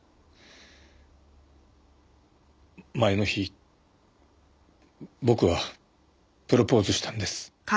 前の日僕はプロポーズしたんです。